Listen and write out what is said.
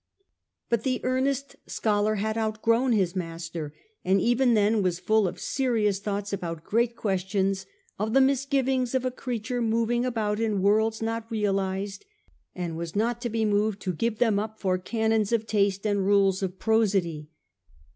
But the earnest scholar had outgrown his master, and even then was full of serious thoughts about great questions, of Uhe misgivings of a creature moving about in worlds not realised,' and was not to be moved to give them up for canons of taste and rules of prosody.